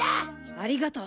ありがとう。